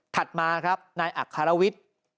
ถัดมาครับนายอักคารวิทย์